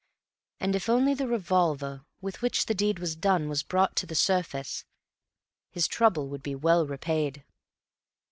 And if only the revolver with which the deed was done was brought to the surface, his trouble would be well repaid.